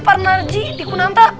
pak narji di kunanta